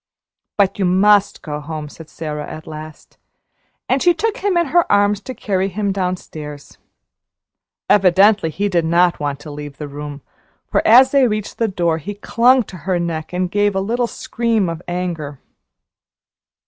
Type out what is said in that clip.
"But you must go home," said Sara at last; and she took him in her arms to carry him downstairs. Evidently he did not want to leave the room, for as they reached the door he clung to her neck and gave a little scream of anger.